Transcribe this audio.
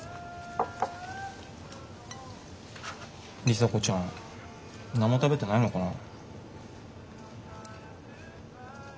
里紗子ちゃん何も食べてないのかな。